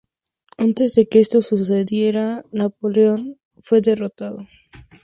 Antes de que esto sucediera, Napoleón fue derrocado.